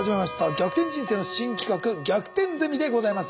「逆転人生」の新企画「逆転ゼミ」でございます。